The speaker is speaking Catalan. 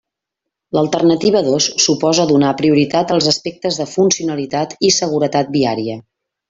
L'alternativa dos suposa donar prioritat als aspectes de funcionalitat i seguretat viària.